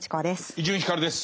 伊集院光です。